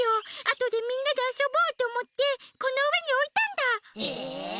あとでみんなであそぼうとおもってこのうえにおいたんだ！え！？